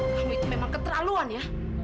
tahu itu memang keterlaluan ya